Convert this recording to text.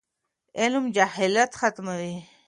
علم جهالت ختموي.